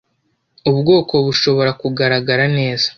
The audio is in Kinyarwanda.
ubwoko bushobora kugaragara neza